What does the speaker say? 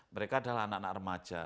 mereka adalah anak anak remaja